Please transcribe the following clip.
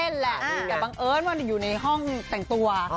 แต่มีแต่บังเอิญว่าอยู่ในห้องแต่งตัว